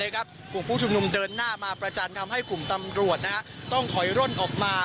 กลุ่มผู้ชุมนุมเดินหน้ามาประจันทร์ทำให้กลุ่มตำรวจต้องถอยร่นออกมา